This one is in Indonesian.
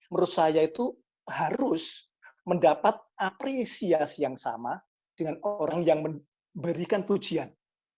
menurut saya itu harus mendapat apresiasi yang sama dengan orang yang memberikan pujian